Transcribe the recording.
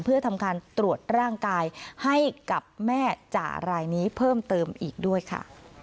เพื่อทำการตรวจร่างกายให้กับแม่จ่ารายนี้เพิ่มเติมอีกด้วยค่ะ